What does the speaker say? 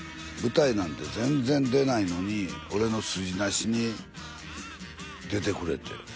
舞台なんて全然出ないのに俺の「スジナシ」に出てくれて。